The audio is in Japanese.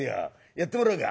やってもらうか。